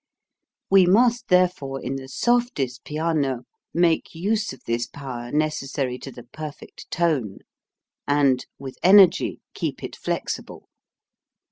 We must therefore in the softest piano make use of this power necessary to the perfect tone, and, with energy keep it flexible.